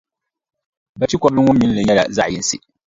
Bachikɔbili ŋɔ mini li nyɛla zaɣʼ yinsi.